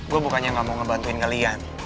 gue bukannya gak mau ngebantuin kalian